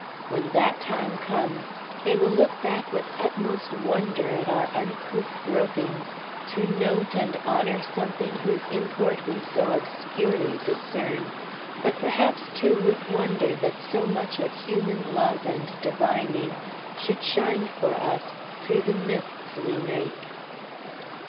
when that time comes, they will look back with utmost wonder at our uncouth gropings to note and honour something whose import we so obscurely discern; but perhaps, too, with wonder that so much of human love and divining should shine for us through the mists we make.